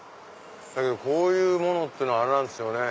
こういうものっていうのはあれなんですよね。